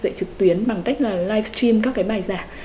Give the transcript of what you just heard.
dạy trực tuyến bằng cách là live stream các cái bài giảng